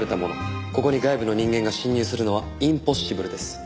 ここに外部の人間が侵入するのはインポッシブルです。